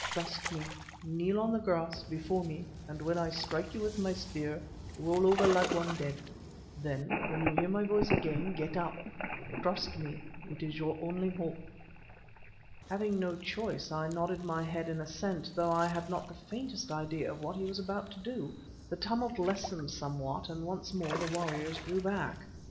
"Trust me; kneel on the grass before me, and when I strike at you with the spear, roll over like one dead; then, when you hear my voice again, get up. Trust me—it is your only hope." Having no choice I nodded my head in assent, though I had not the faintest idea of what he was about to do. The tumult lessened somewhat, and once more the warriors drew back.